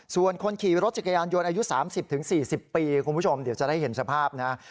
ส่วนคนขี่รถจักรยานยนต์อายุ๓๐๔๐ปีคุณผู้ชมเดี๋ยวจะได้เห็นสภาพนะ